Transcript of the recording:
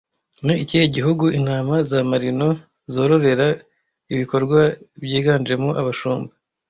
Ni ikihe gihugu intama za Marino zororera ibikorwa byiganjemo abashumba